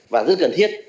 và rất cần thiết